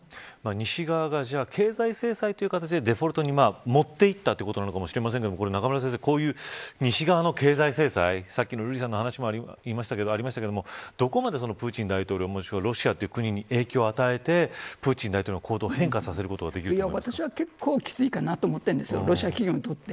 西側が、経済制裁という形でデフォルトにもっていったということなのかもしれませんがこういう西側の経済制裁さっきの瑠麗さんの話もありましたがどこまでプーチン大統領やロシアという国に影響を与えてプーチン大統領の行動を変化させることが私はロシア企業にとって、結構きついかなと思っているんです。